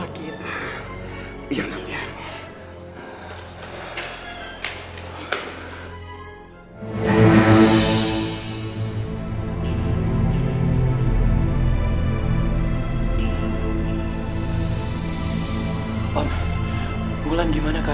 kenalan dulu dong sama a